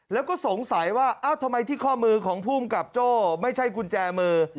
แล้วก็สงสัยว่าเอ้าทำไมที่ข้อมือของภูมิกับโจ้ไม่ใช่กุญแจมือ